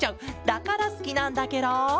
だからすきなんだケロ！